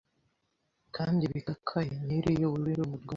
kandi bikakaye Nili y'ubururu iruma rwose.